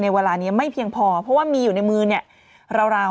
เวลานี้ไม่เพียงพอเพราะว่ามีอยู่ในมือเนี่ยราว